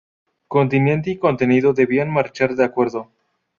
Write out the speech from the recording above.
Continente y contenido debían marchar de acuerdo.